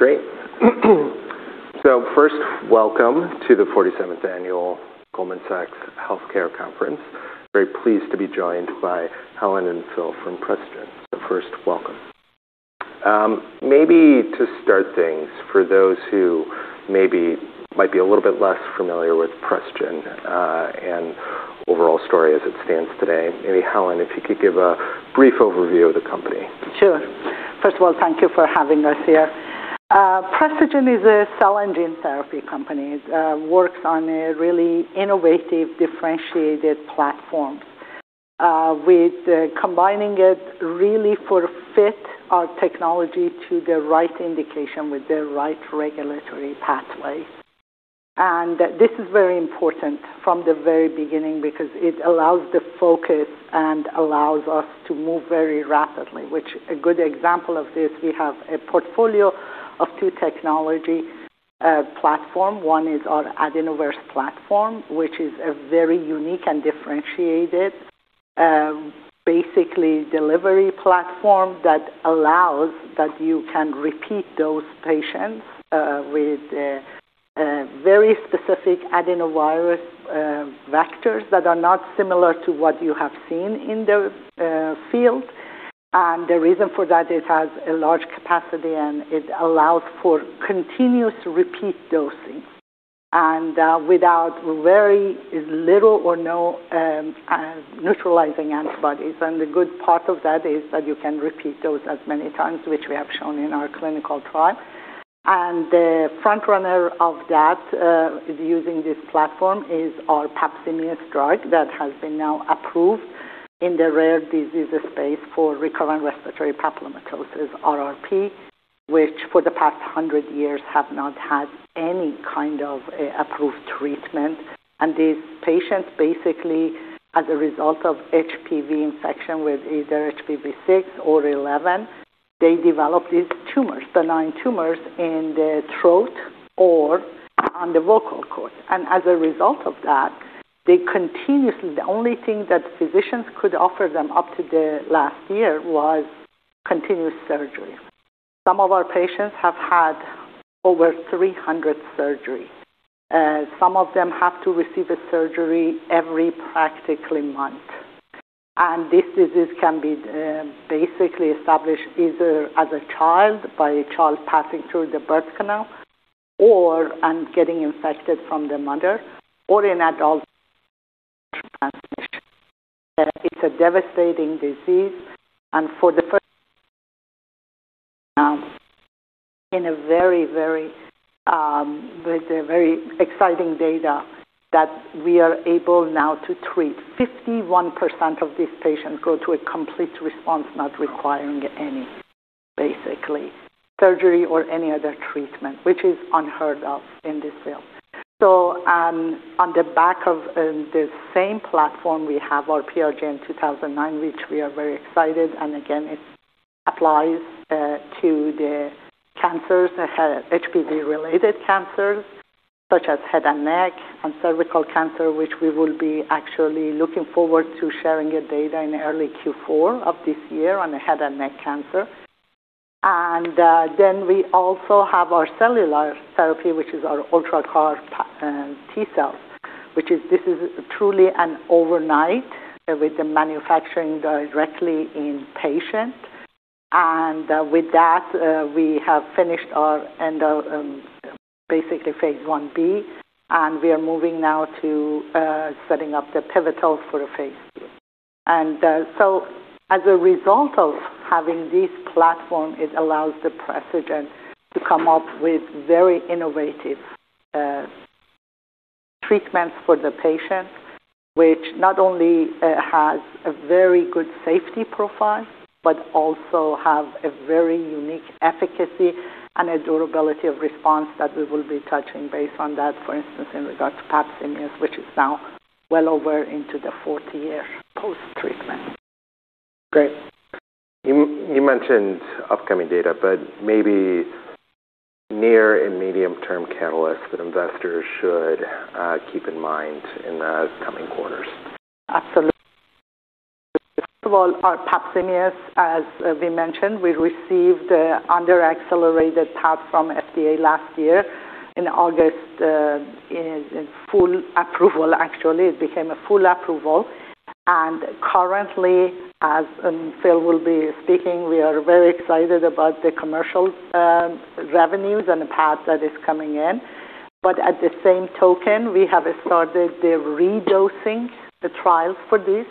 Great. First, welcome to the 47th Annual Goldman Sachs Healthcare Conference. Very pleased to be joined by Helen and Phil from Precigen. First, welcome. Maybe to start things, for those who might be a little bit less familiar with Precigen and overall story as it stands today, maybe Helen, if you could give a brief overview of the company. Sure. First of all, thank you for having us here. Precigen is a cell and gene therapy company. It works on a really innovative, differentiated platform. With combining it really for fit our technology to the right indication with the right regulatory pathway. This is very important from the very beginning because it allows the focus and allows us to move very rapidly, which a good example of this, we have a portfolio of two technology platform. One is our AdenoVerse platform, which is a very unique and differentiated, basically, delivery platform that allows that you can repeat those patients, with very specific adenovirus vectors that are not similar to what you have seen in the field. The reason for that, it has a large capacity, and it allows for continuous repeat dosing and without very little or no neutralizing antibodies. The good part of that is that you can repeat those as many times, which we have shown in our clinical trial. The frontrunner of that, is using this platform, is our papillomavirus drug. That has been now approved in the rare disease space for recurrent respiratory papillomatosis, RRP, which for the past 100 years have not had any kind of approved treatment. These patients basically, as a result of HPV infection with either HPV 6 or HPV 11, they develop these tumors, benign tumors in the throat or on the vocal cord. As a result of that, they continuously, the only thing that physicians could offer them up to the last year was continuous surgery. Some of our patients have had over 300 surgery. Some of them have to receive a surgery every practically month. This disease can be basically established either as a child, by a child passing through the birth canal and getting infected from the mother, or in adult transmission. It's a devastating disease. For the first in a very exciting data that we are able now to treat. 51% of these patients go to a complete response, not requiring any basically surgery or any other treatment, which is unheard of in this field. On the back of the same platform, we have our PRGN-2009, which we are very excited, and again, it applies to the cancers, HPV-related cancers such as head and neck and cervical cancer, which we will be actually looking forward to sharing a data in early Q4 of this year on head and neck cancer. We also have our cellular therapy, which is our UltraCAR-T cells, which is, this is truly an overnight with the manufacturing directly in patient. With that, we have finished our end of, basically phase Ib, and we are moving now to setting up the pivotal for phase II. As a result of having this platform, it allows Precigen to come up with very innovative treatments for the patient, which not only has a very good safety profile, but also have a very unique efficacy and a durability of response that we will be touching base on that, for instance, in regards to papillomavirus, which is now well over into the 40-month post-treatment. Great. You mentioned upcoming data, maybe near and medium-term catalysts that investors should keep in mind in the coming quarters. Absolutely. First of all, our PAPZIMEOS, as we mentioned, we received under Accelerated Approval pathway from FDA last year in August, in full approval, actually, it became a full approval. Currently, as Phil will be speaking, we are very excited about the commercial revenues and the path that is coming in. At the same token, we have started the redosing the trials for this,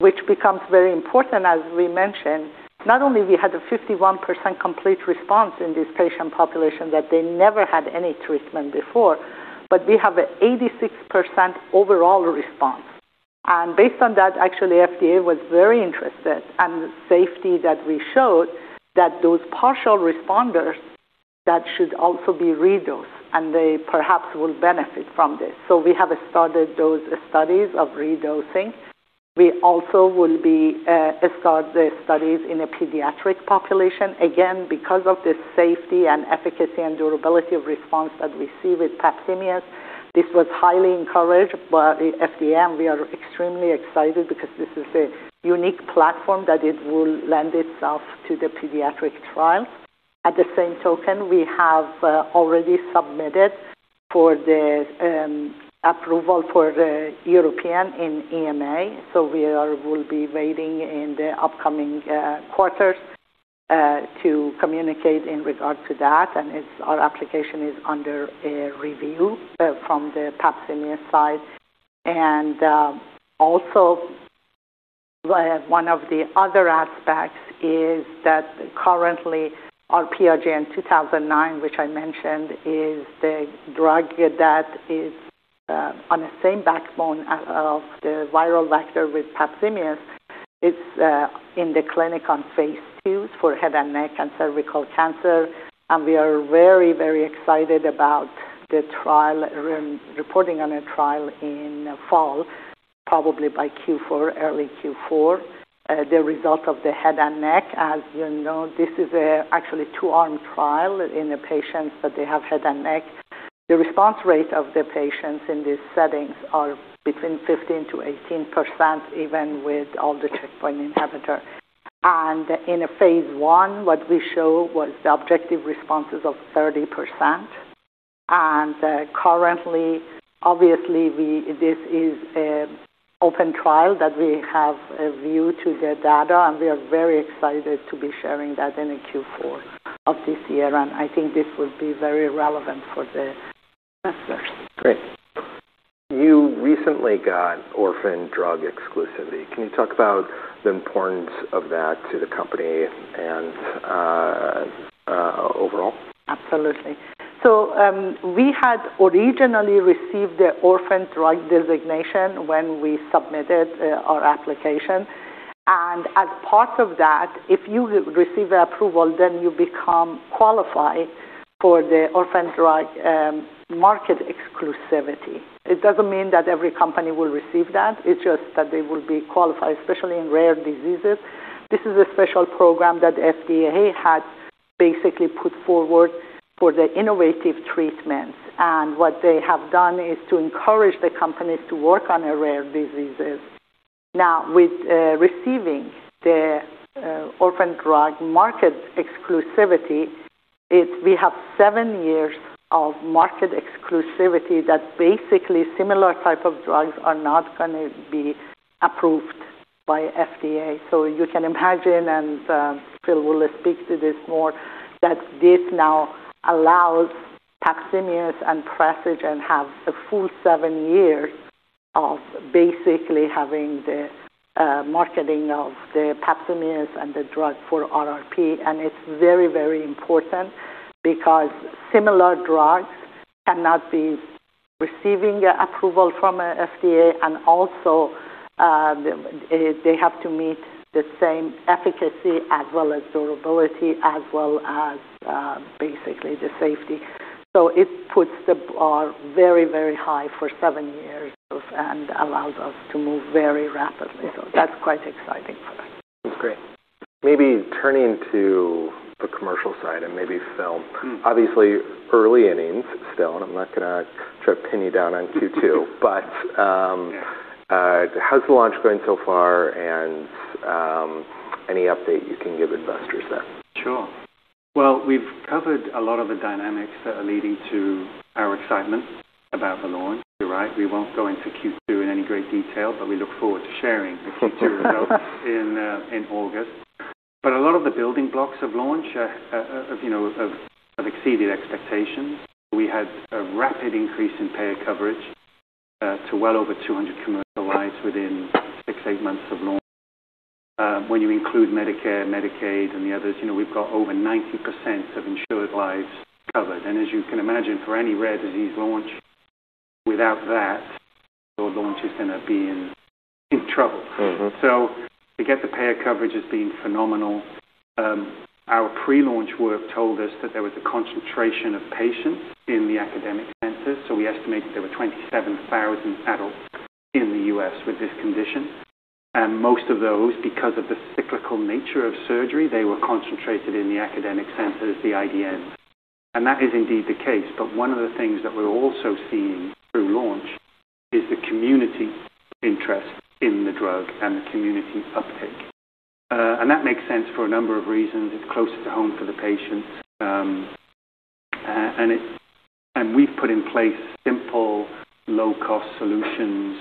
which becomes very important. As we mentioned, not only we had a 51% complete response in this patient population that they never had any treatment before, but we have an 86% overall response. Based on that, actually, FDA was very interested, and safety that we showed, that those partial responders, that should also be re-dosed, and they perhaps will benefit from this. We have started those studies of redosing. We also start the studies in a pediatric population. Again, because of the safety and efficacy and durability of response that we see with PAPZIMEOS. This was highly encouraged by the FDA, we are extremely excited because this is a unique platform that will lend itself to the pediatric trial. At the same token, we have already submitted for the approval for the European in EMA. We will be waiting in the upcoming quarters to communicate in regard to that. Our application is under review from the PAPZIMEOS side. Also, one of the other aspects is that currently our PRGN-2009, which I mentioned, is the drug that is on the same backbone of the viral vector with PAPZIMEOS. It is in the clinic on phase II for head and neck and cervical cancer, we are very excited about reporting on a trial in fall, probably by early Q4, the result of the head and neck. As you know, this is actually a two-arm trial in patients that have head and neck. The response rate of the patients in these settings are between 15%-18%, even with all the checkpoint inhibitor. In phase I, what we show was the objective responses of 30%. Currently, obviously, this is an open trial that we have a view to the data, and we are very excited to be sharing that in Q4 of this year, and I think this will be very relevant for the investors. Great. You recently got orphan drug exclusivity. Can you talk about the importance of that to the company and overall? Absolutely. We had originally received the orphan drug designation when we submitted our application. As part of that, if you receive approval, then you become qualified for the orphan drug market exclusivity. It doesn't mean that every company will receive that. It's just that they will be qualified, especially in rare diseases. This is a special program that FDA had basically put forward for the innovative treatments. What they have done is to encourage the companies to work on rare diseases. With receiving the orphan drug market exclusivity, we have seven years of market exclusivity that basically similar type of drugs are not going to be approved by FDA. You can imagine, and Phil will speak to this more, that this now allows PAPZIMEOS and Precigen have the full seven years of basically having the marketing of the PAPZIMEOS and the drug for RRP, and it's very important because similar drugs cannot be receiving approval from FDA, and also, they have to meet the same efficacy as well as durability, as well as basically the safety. It puts the bar very high for seven years and allows us to move very rapidly. That's quite exciting for us. That's great. Maybe turning to the commercial side and maybe Phil. Obviously, early innings still, and I'm not going to try to pin you down on Q2. Yeah How's the launch going so far, and any update you can give investors there? Sure. Well, we've covered a lot of the dynamics that are leading to our excitement about the launch. You're right, we won't go into Q2 in any great detail, but we look forward to sharing the Q2 results in August. A lot of the building blocks of launch have exceeded expectations. We had a rapid increase in payer coverage to well over 215 million lives within six, eight months of launch. When you include Medicare, Medicaid, and the others, we've got over 90% of insured lives covered. As you can imagine, for any rare disease launch, without that, your launch is going to be in trouble. To get the payer coverage has been phenomenal. Our pre-launch work told us that there was a concentration of patients in the academic centers, so we estimated there were 27,000 adults in the U.S. with this condition. Most of those, because of the cyclical nature of surgery, they were concentrated in the academic centers, the IDNs. That is indeed the case, but one of the things that we're also seeing through launch is the community interest in the drug and the community uptake. That makes sense for a number of reasons. It's closer to home for the patients. We've put in place simple low-cost solutions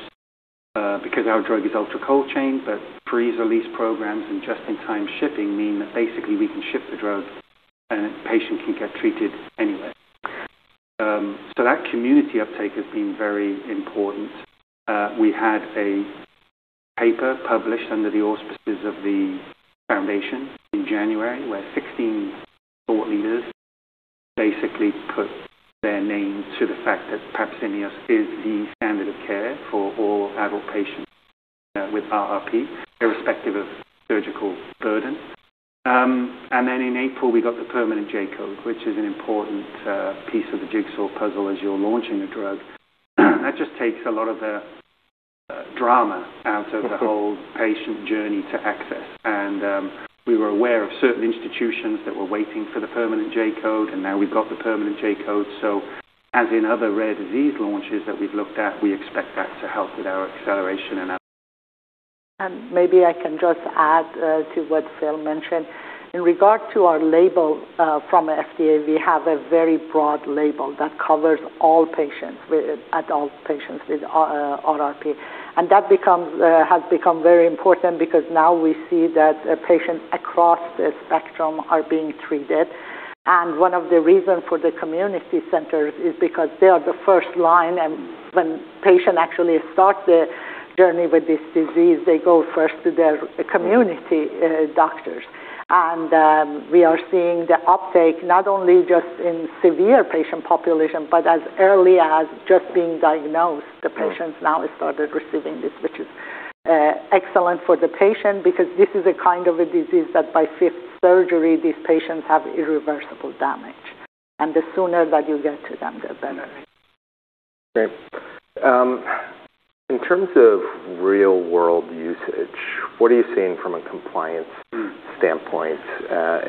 because our drug is ultra-cold chain, but freeze and release and just-in-time shipping mean that basically we can ship the drug, and a patient can get treated anywhere. That community uptake has been very important. We had a paper published under the auspices of the foundation in January, where 16 thought leaders basically put their names to the fact that PAPZIMEOS is the standard of care for all adult patients with RRP, irrespective of surgical burden. Then in April, we got the permanent J-code, which is an important piece of the jigsaw puzzle as you're launching a drug. That just takes a lot of the drama out of the whole patient journey to access. We were aware of certain institutions that were waiting for the permanent J-code, and now we've got the permanent J-code. As in other rare disease launches that we've looked at, we expect that to help with our acceleration and our- Maybe I can just add to what Phil mentioned. In regard to our label from FDA, we have a very broad label that covers all adult patients with RRP. That has become very important because now we see that patients across the spectrum are being treated. One of the reason for the community centers is because they are the first line, and when patient actually start the journey with this disease, they go first to their community doctors. We are seeing the uptake not only just in severe patient population, but as early as just being diagnosed. The patients now have started receiving this, which is excellent for the patient because this is a kind of a disease that by fifth surgery, these patients have irreversible damage. The sooner that you get to them, the better. Great. In terms of real-world usage, what are you seeing from a compliance standpoint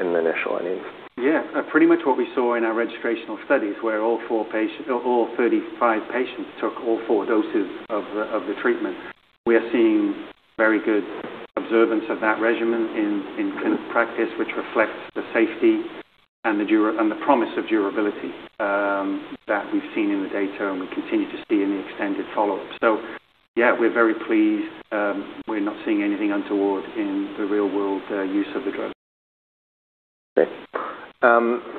in the initial innings? Yeah. Pretty much what we saw in our registrational studies, where all 35 patients took all four doses of the treatment. We are seeing very good observance of that regimen in clinical practice, which reflects the safety and the promise of durability that we've seen in the data and we continue to see in the extended follow-up. Yeah, we're very pleased. We're not seeing anything untoward in the real-world use of the drug. Great.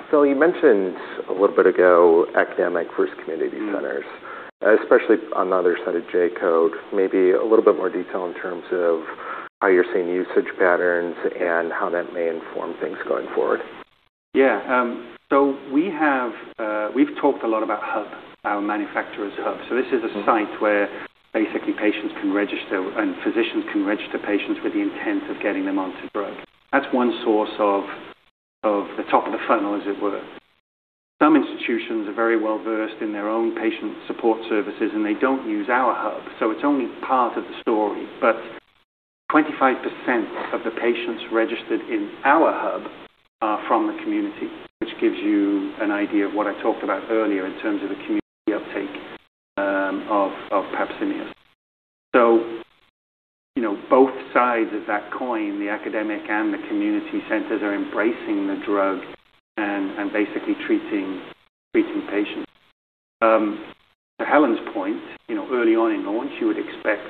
Phil, you mentioned a little bit ago academic versus community centers, especially on the other side of J-code. Maybe a little bit more detail in terms of how you're seeing usage patterns and how that may inform things going forward. We've talked a lot about hub, our manufacturer's hub. This is a site where basically patients can register, and physicians can register patients with the intent of getting them onto drug. That's one source of the top of the funnel, as it were. Some institutions are very well-versed in their own patient support services, and they don't use our hub, so it's only part of the story. 25% of the patients registered in our hub are from the community, which gives you an idea of what I talked about earlier in terms of the community uptake of PAPZIMEOS. Both sides of that coin, the academic and the community centers, are embracing the drug and basically treating patients. To Helen's point, early on in launch, you would expect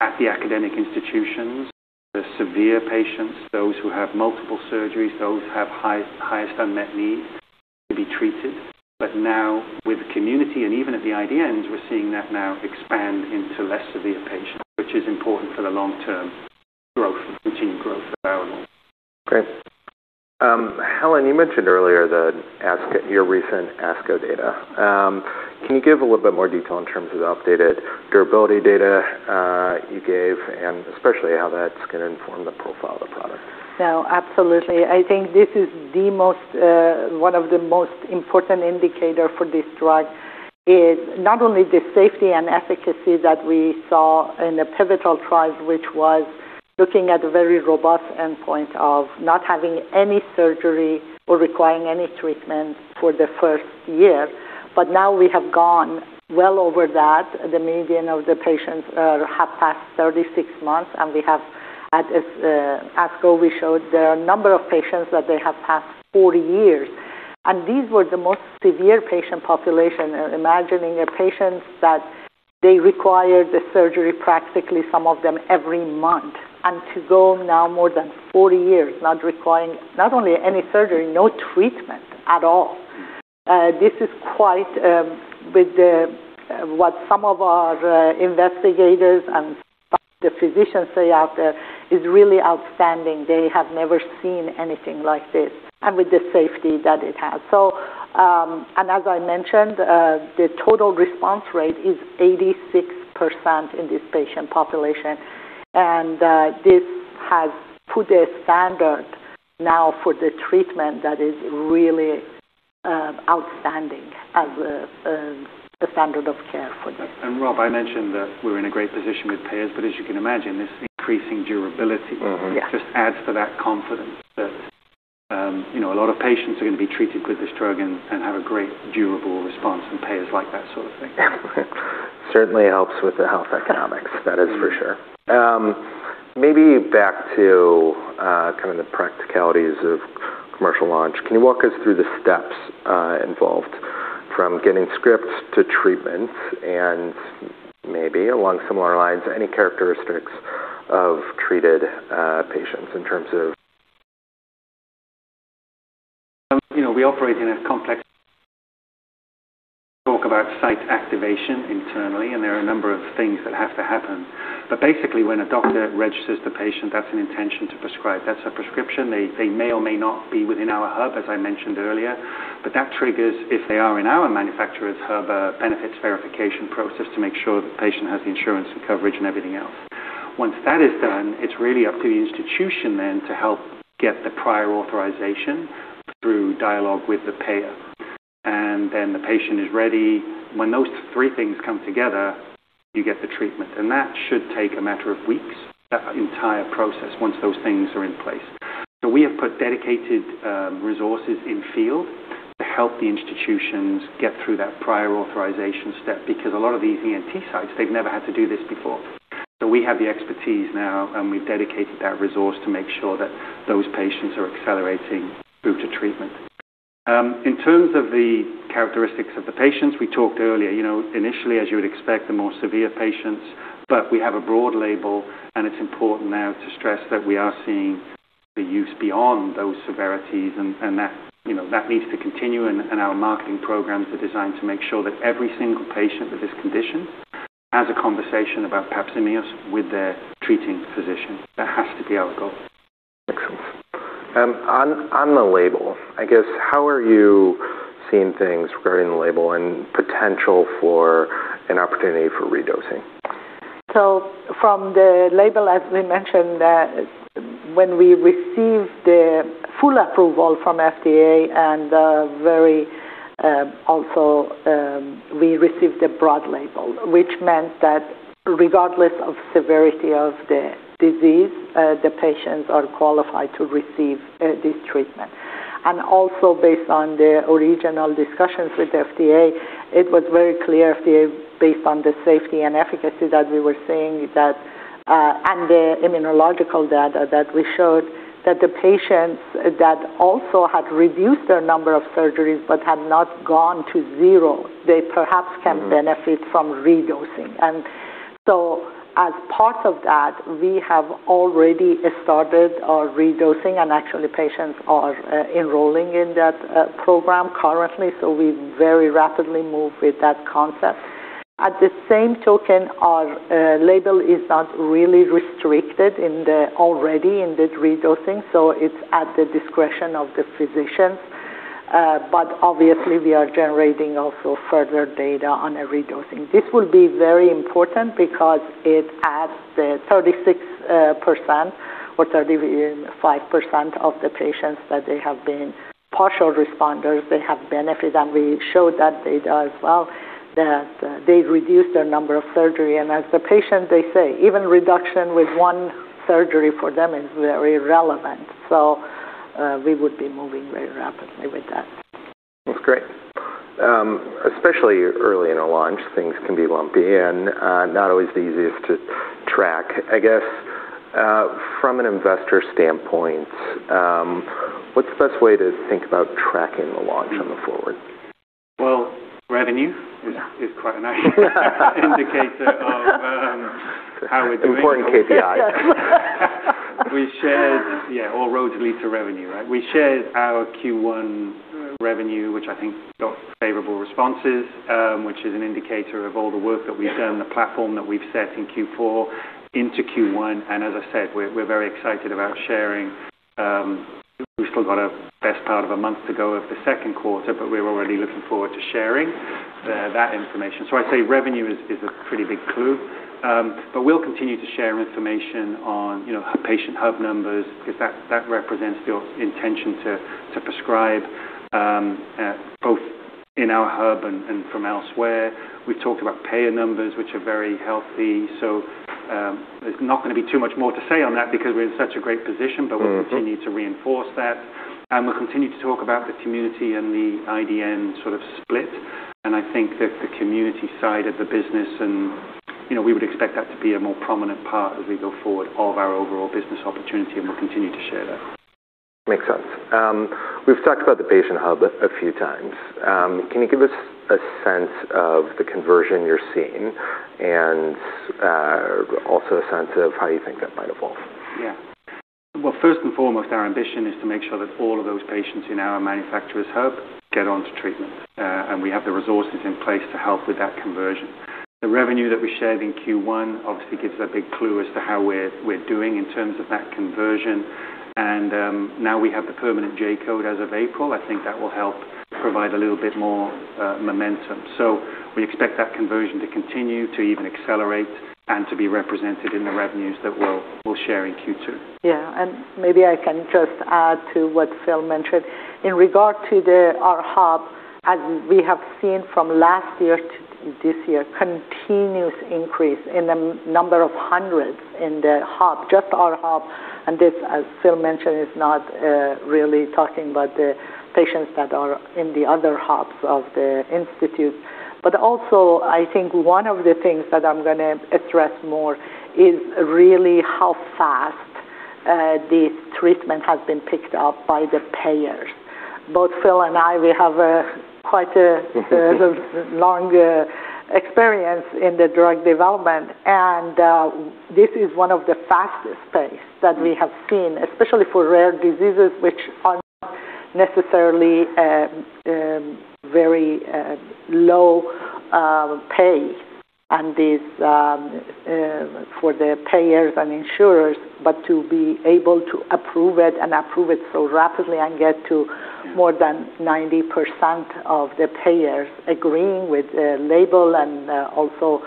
at the academic institutions, the severe patients, those who have multiple surgeries, those who have highest unmet need to be treated. Now with community and even at the IDNs, we're seeing that now expand into less severe patients, which is important for the long-term routine growth of our label. Great. Helen, you mentioned earlier your recent ASCO data. Can you give a little bit more detail in terms of the updated durability data you gave, and especially how that's going to inform the profile of the product? No, absolutely. I think this is one of the most important indicator for this drug, is not only the safety and efficacy that we saw in the pivotal trial, which was looking at a very robust endpoint of not having any surgery or requiring any treatment for the first year. Now we have gone well over that. The median of the patients have passed 36 months, and at ASCO, we showed there are a number of patients that they have passed 40 months, and these were the most severe patient population. Imagining a patient that they require the surgery, practically some of them every month, and to go now more than 40 months, not requiring, not only any surgery, no treatment at all. This is quite, with what some of our investigators and the physicians say out there, is really outstanding. They have never seen anything like this, with the safety that it has. As I mentioned, the total response rate is 86% in this patient population, and this has put a standard now for the treatment that is really outstanding as the standard of care for this. Rob, I mentioned that we're in a great position with payers, but as you can imagine, this increasing durability- Yeah ...just adds to that confidence that a lot of patients are going to be treated with this drug and have a great durable response, payers like that sort of thing. Certainly helps with the health economics, that is for sure. Back to kind of the practicalities of commercial launch. Can you walk us through the steps involved from getting scripts to treatment, maybe along similar lines, any characteristics of treated patients in terms of- We operate in a complex talk about site activation internally, there are a number of things that have to happen. Basically, when a doctor registers the patient, that's an intention to prescribe. That's a prescription. They may or may not be within our hub, as I mentioned earlier. That triggers, if they are in our manufacturer's hub, a benefits verification process to make sure the patient has the insurance and coverage and everything else. Once that is done, it's really up to the institution then to help get the prior authorization through dialogue with the payer. Then the patient is ready. When those three things come together, you get the treatment, that should take a matter of weeks, that entire process, once those things are in place. We have put dedicated resources in field to help the institutions get through that prior authorization step, because a lot of these ENT sites, they've never had to do this before. We have the expertise now, we've dedicated that resource to make sure that those patients are accelerating through to treatment. In terms of the characteristics of the patients, we talked earlier, initially, as you would expect, the more severe patients, we have a broad label, it's important now to stress that we are seeing the use beyond those severities that needs to continue, our marketing programs are designed to make sure that every single patient with this condition has a conversation about PAPZIMEOS with their treating physician. That has to be our goal. Makes sense. On the label, I guess, how are you seeing things regarding the label and potential for an opportunity for redosing? From the label, as we mentioned, when we received the full approval from FDA, we received a broad label, which meant that regardless of severity of the disease, the patients are qualified to receive this treatment. Based on the original discussions with FDA, it was very clear, FDA, based on the safety and efficacy that we were seeing and the immunological data that we showed, that the patients that also had reduced their number of surgeries but had not gone to zero, they perhaps can benefit from redosing. As part of that, we have already started our redosing, and actually patients are enrolling in that program currently, we very rapidly move with that concept. At the same token, our label is not really restricted already in this redosing, so it's at the discretion of the physicians. Obviously, we are generating also further data on a redosing. This will be very important because it adds the 36% or 35% of the patients that they have been partial responders. They have benefit, and we showed that data as well, that they've reduced their number of surgery. As the patient, they say, even reduction with one surgery for them is very relevant. We would be moving very rapidly with that. That's great. Especially early in a launch, things can be lumpy and not always the easiest to track. I guess, from an investor standpoint, what's the best way to think about tracking the launch on the forward? Well, revenue is quite a nice indicator of how we're doing. Important KPI. Yeah, all roads lead to revenue, right? We shared our Q1 revenue, which I think got favorable responses, which is an indicator of all the work that we've done, the platform that we've set in Q4 into Q1. As I said, we're very excited about sharing. We've still got a best part of a month to go of the second quarter, but we're already looking forward to sharing that information. I'd say revenue is a pretty big clue. We'll continue to share information on patient hub numbers, because that represents your intention to prescribe, both in our hub and from elsewhere. We talked about payer numbers, which are very healthy. There's not going to be too much more to say on that because we're in such a great position, but we'll continue to reinforce that. We'll continue to talk about the community and the IDN sort of split. I think that the community side of the business, we would expect that to be a more prominent part as we go forward of our overall business opportunity, we'll continue to share that. Makes sense. We've talked about the patient hub a few times. Can you give us a sense of the conversion you're seeing and also a sense of how you think that might evolve? Yeah. Well, first and foremost, our ambition is to make sure that all of those patients in our manufacturer's hub get onto treatment. We have the resources in place to help with that conversion. The revenue that we shared in Q1 obviously gives a big clue as to how we're doing in terms of that conversion. Now we have the permanent J-code as of April. I think that will help provide a little bit more momentum. We expect that conversion to continue to even accelerate and to be represented in the revenues that we'll share in Q2. Yeah. Maybe I can just add to what Phil mentioned. In regard to our hub, as we have seen from last year to this year, continuous increase in the number of hundreds in the hub, just our hub. This, as Phil mentioned, is not really talking about the patients that are in the other hubs of the institute. Also, I think one of the things that I'm going to address more is really how fast this treatment has been picked up by the payers. Both Phil and I, we have quite a long experience in the drug development, and this is one of the fastest pace that we have seen, especially for rare diseases, which are not necessarily very low pay for the payers and insurers. To be able to approve it and approve it so rapidly and get to more than 90% of the payers agreeing with the label and also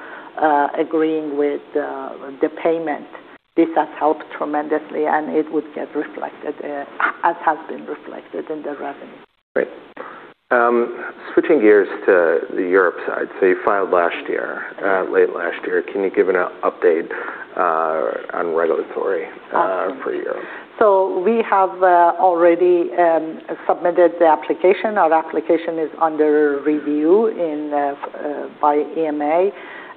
agreeing with the payment. This has helped tremendously, it would get reflected, as has been reflected in the revenue. Great. Switching gears to the Europe side. You filed late last year. Can you give an update on regulatory for Europe? We have already submitted the application. Our application is under review by EMA.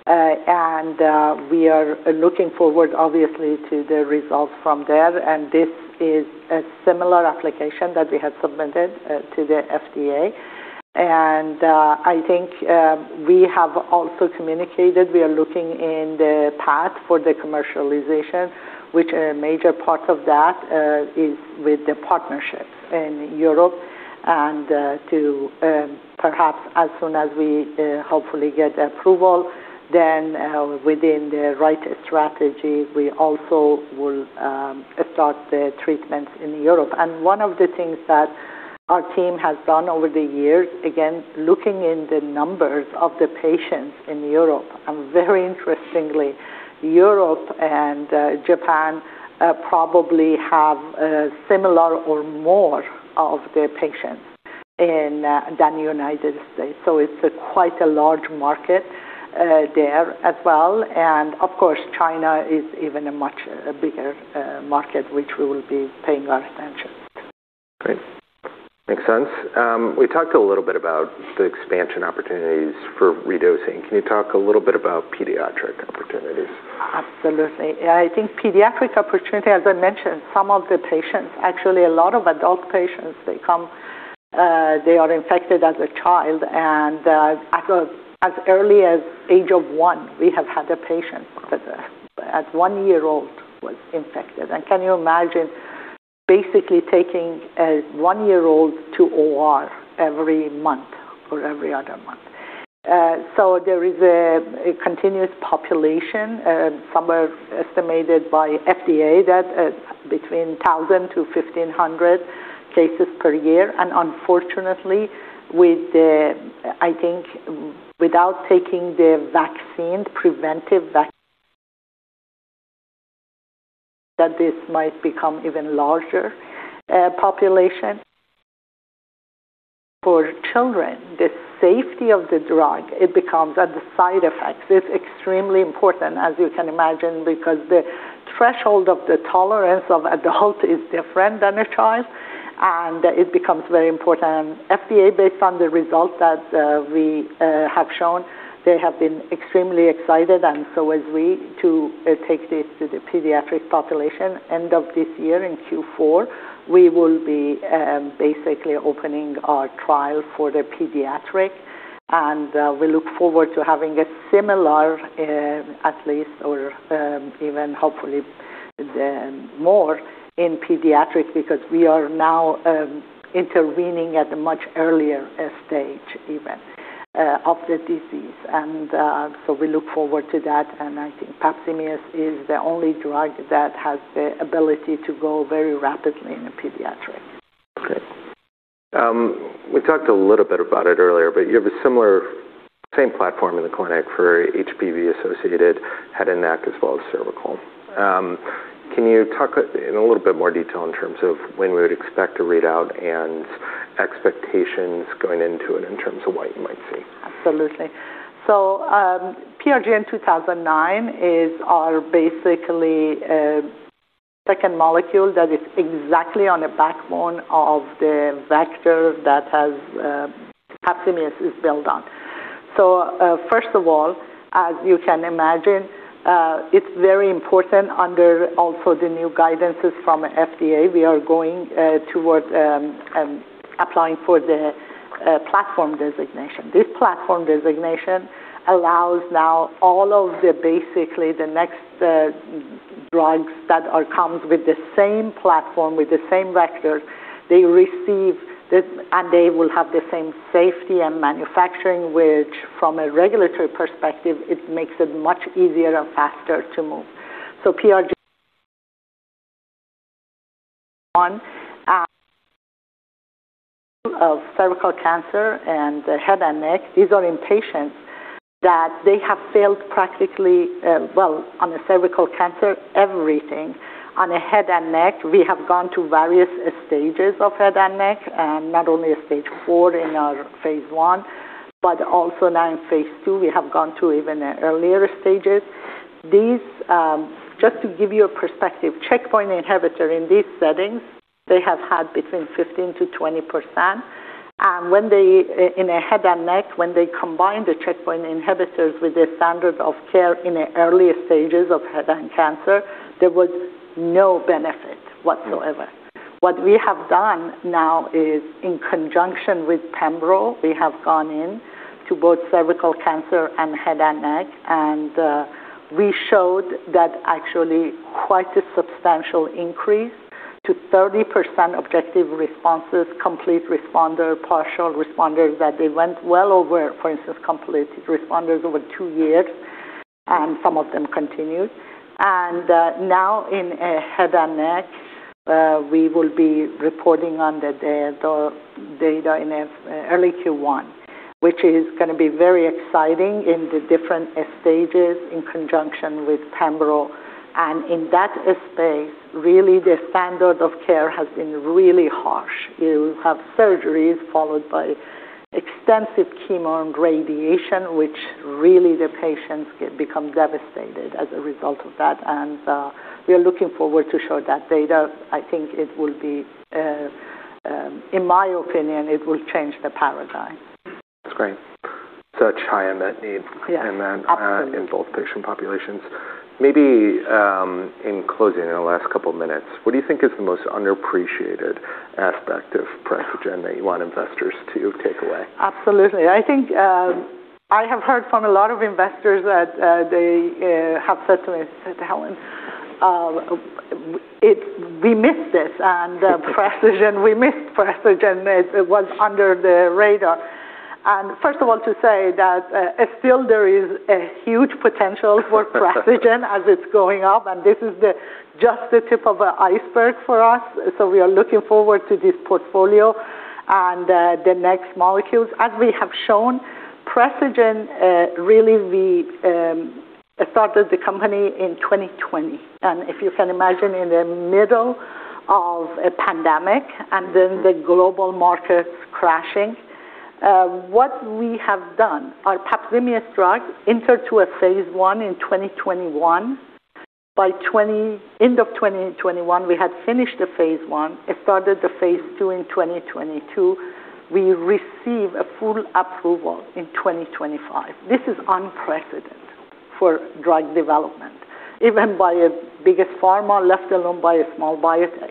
We are looking forward, obviously, to the results from there, and this is a similar application that we had submitted to the FDA. I think we have also communicated, we are looking in the path for the commercialization, which a major part of that is with the partnerships in Europe, and to perhaps as soon as we hopefully get approval, then within the right strategy, we also will start the treatments in Europe. One of the things that our team has done over the years, again, looking in the numbers of the patients in Europe, and very interestingly, Europe and Japan probably have similar or more of the patients than United States. It's quite a large market there as well. Of course, China is even a much bigger market, which we will be paying our attention. Great. Makes sense. We talked a little bit about the expansion opportunities for redosing. Can you talk a little bit about pediatric opportunities? Absolutely. I think pediatric opportunity, as I mentioned, some of the patients, actually a lot of adult patients, they are infected as a child and as early as age of one, we have had a patient at one year old was infected. Can you imagine basically taking a one-year-old to OR every month or every other month? There is a continuous population, somewhere estimated by FDA, that between 1,000 to 1,500 cases per year. Unfortunately, I think, without taking the preventive vaccine, that this might become even larger population. For children, the safety of the drug, it becomes, and the side effects, is extremely important, as you can imagine, because the threshold of the tolerance of adult is different than a child, and it becomes very important. FDA, based on the results that we have shown, they have been extremely excited as we take this to the pediatric population end of this year in Q4. We will be opening our trial for the pediatric, and we look forward to having a similar, at least, or even hopefully, more in pediatric because we are now intervening at a much earlier stage even of the disease. We look forward to that, and I think PAPZIMEOS is the only drug that has the ability to go very rapidly in the pediatric. Great. We talked a little bit about it earlier, you have a same platform in the clinic for HPV-associated head and neck as well as cervical. Can you talk in a little bit more detail in terms of when we would expect a readout and expectations going into it in terms of what you might see? Absolutely. PRGN-2009 is our second molecule that is exactly on a backbone of the vector that PAPZIMEOS is built on. First of all, as you can imagine, it's very important under also the new guidances from FDA, we are going towards applying for the Platform Technology Designation. This Platform Technology Designation allows now all of the next drugs that comes with the same platform, with the same vector, and they will have the same safety and manufacturing, which from a regulatory perspective, it makes it much easier and faster to move. PRGN-2009 of cervical cancer and head and neck. These are in patients that they have failed practically on the cervical cancer, everything. On the head and neck, we have gone to various stages of head and neck, not only stage 4 in our phase I, but also now in phase II, we have gone to even earlier stages. Just to give you a perspective, checkpoint inhibitor in these settings, they have had between 15%-20%. In a head and neck, when they combined the checkpoint inhibitors with the standard of care in the earlier stages of head and neck cancer, there was no benefit whatsoever. What we have done now is in conjunction with pembrolizumab, we have gone in to both cervical cancer and head and neck, we showed that actually quite a substantial increase to 30% objective responses, complete responder, partial responder, that they went well over, for instance, complete responders over two years, and some of them continued. Now in head and neck, we will be reporting on the data in early Q1, which is going to be very exciting in the different stages in conjunction with pembro. In that space, really the standard of care has been really harsh. You have surgeries followed by extensive chemo and radiation, which really the patients become devastated as a result of that. We are looking forward to show that data. I think, in my opinion, it will change the paradigm. That's great. Such high unmet need. Yeah. Absolutely. In both patient populations. Maybe in closing, in our last couple minutes, what do you think is the most underappreciated aspect of Precigen that you want investors to take away? Absolutely. I think I have heard from a lot of investors that they have said to me, said, "Helen, we missed this," "We missed Precigen. It was under the radar." First of all, to say that still there is a huge potential for Precigen as it's going up, this is just the tip of an iceberg for us. We are looking forward to this portfolio and the next molecules. As we have shown, Precigen, really, we started the company in 2020. If you can imagine in the middle of a pandemic then the global markets crashing. What we have done, our PAPZIMEOS drug entered to a phase I in 2021. By end of 2021, we had finished the phase I, started the phase II in 2022. We receive a full approval in 2025. This is unprecedented for drug development, even by a biggest pharma, let alone by a small biotech.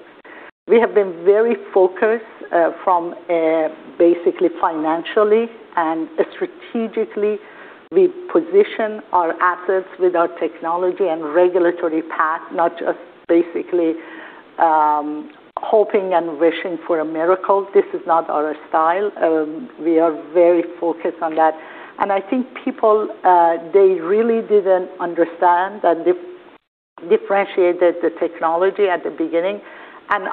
We have been very focused from basically financially and strategically. We position our assets with our technology regulatory path, not just basically hoping and wishing for a miracle. This is not our style. We are very focused on that. I think people, they really didn't understand differentiate the technology at the beginning.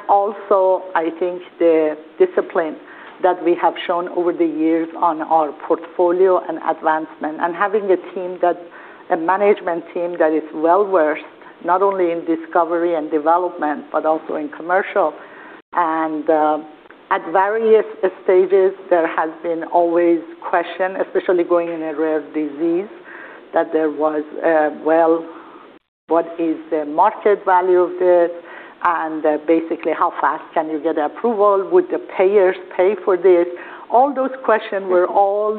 Also, I think the discipline that we have shown over the years on our portfolio advancement having a management team that is well-versed, not only in discovery and development, but also in commercial. At various stages, there has been always question, especially going in a rare disease, that there was, well, what is the market value of this? Basically, how fast can you get approval? Would the payers pay for this? All those questions were all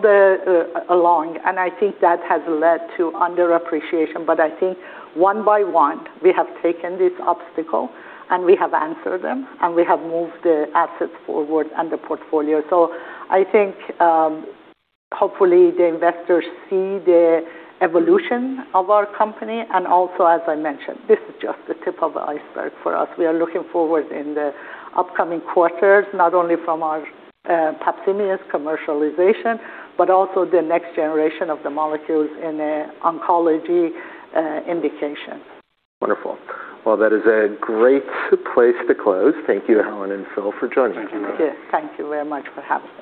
along, I think that has led to underappreciation. I think one by one, we have taken this obstacle, we have answered them, we have moved the assets forward the portfolio. I think, hopefully, the investors see the evolution of our company. Also, as I mentioned, this is just the tip of the iceberg for us. We are looking forward in the upcoming quarters, not only from our PAPZIMEOS commercialization, but also the next generation of the molecules in the oncology indication. Wonderful. Well, that is a great place to close. Thank you, Helen and Phil, for joining me today. Thank you. Thank you very much for having me